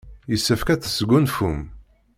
Yessefk ad tesgunfum.